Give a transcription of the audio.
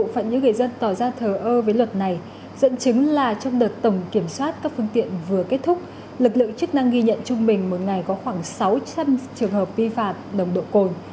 phận những người dân tỏ ra thờ ơ với luật này dẫn chứng là trong đợt tổng kiểm soát các phương tiện vừa kết thúc lực lượng chức năng ghi nhận trung bình một ngày có khoảng sáu trăm linh trường hợp vi phạm nồng độ cồn